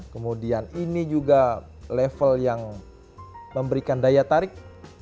kemudian ini juga level yang memberikan daya tarik